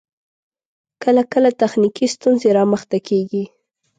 کله کله تخنیکی ستونزې رامخته کیږی